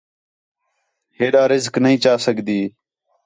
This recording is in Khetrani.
ہیّڈا رسک نئیں چا سڳدی